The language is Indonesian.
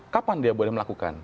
kapan dia boleh melakukan